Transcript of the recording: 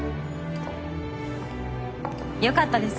良かったです